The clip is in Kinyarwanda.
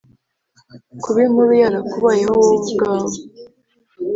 Kuba inkuru yarakubayeho wowe ubwawe